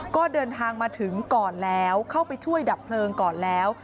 ก็เดินทางมาถึงก่อนแล้วเข้าไปช่วยดับเพลิงก่อนแล้ว